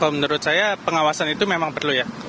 kalau menurut saya pengawasan itu memang perlu ya